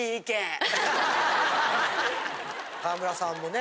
川村さんもね